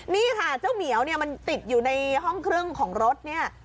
นี่ค่ะเจ้าเหมียวเนี่ยมันติดอยู่ในห้องครึ่งของรถเนี่ย